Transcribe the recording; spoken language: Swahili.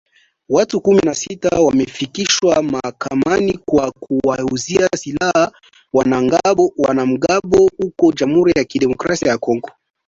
Watu kumi na sita wamefikishwa mahakamani kwa kuwauzia silaha wanamgambo huko Jamhuri ya kidemokrasia ya Kongo.